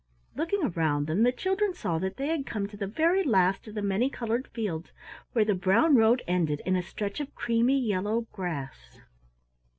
Looking around them, the children saw that they had come to the very last of the many colored fields, where the brown road ended in a stretch of creamy yellow grass.